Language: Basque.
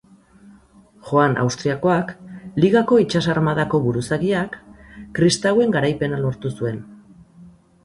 Joan Austriakoak, Ligako itsas armadako buruzagiak, kristauen garaipena lortu zuen.